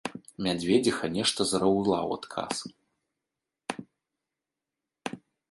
Мядзведзіха нешта зараўла ў адказ.